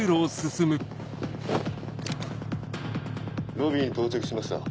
ロビーに到着しました。